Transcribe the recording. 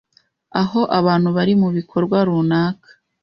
aho abantu bari mu bikorwa runaka